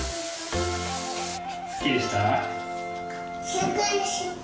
すっきりした？